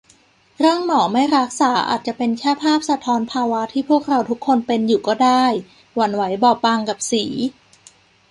เรื่องหมอไม่รักษาอาจจะเป็นแค่ภาพสะท้อนภาวะที่พวกเราทุกคนเป็นอยู่ก็ได้ - หวั่นไหวบอบบางกับสี